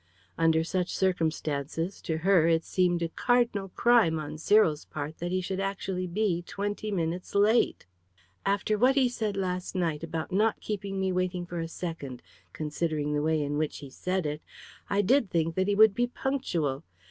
Under such circumstances, to her, it seemed a cardinal crime on Cyril's part that he should actually be twenty minutes late. "After what he said last night, about not keeping me waiting for a second considering the way in which he said it I did think that he would be punctual.